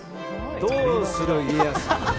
「どうする家康」。